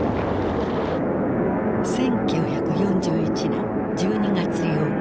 １９４１年１２月８日。